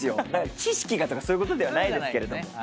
知識がとかそういうことではないです。